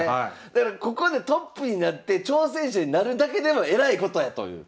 だからここでトップになって挑戦者になるだけでもえらいことやという。